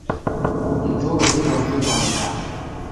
Mtorori ghwake ghwazama